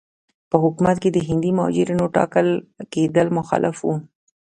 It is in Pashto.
په حکومت کې د هندي مهاجرینو ټاکل کېدل مخالف وو.